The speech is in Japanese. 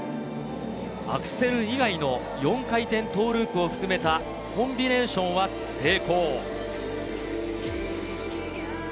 アクセル以外の４回転トーループを含めたコンビネーションは成功。